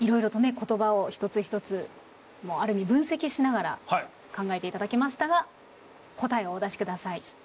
言葉を一つ一つもうある意味分析しながら考えていただきましたが答えをお出しください。